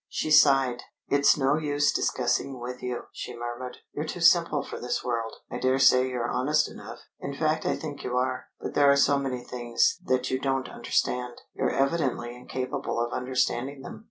She sighed. "It's no use discussing with you," she murmured. "You're too simple for this world. I daresay you're honest enough in fact I think you are but there are so many things that you don't understand. You're evidently incapable of understanding them."